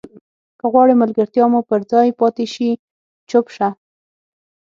که غواړې ملګرتیا مو پر ځای پاتې شي چوپ شه.